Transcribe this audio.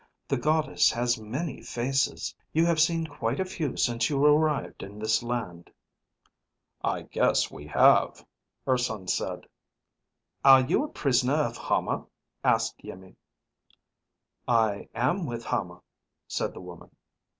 "The Goddess has many faces. You have seen quite a few since you arrived in this land." "I guess we have," Urson said. "Are you a prisoner of Hama?" asked Iimmi. "I am with Hama," said the woman.